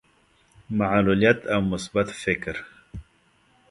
معلوليت او مثبت فکر.